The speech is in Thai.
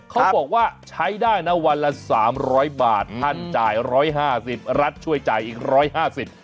เขาบอกว่าใช้ได้นะวันละ๓๐๐บาทท่านจ่าย๑๕๐บาทรัฐช่วยจ่ายอีก๑๕๐บาท